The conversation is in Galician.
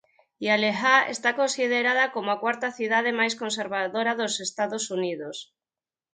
Hialeah está considerada como a cuarta cidade máis conservadora dos Estados Unidos.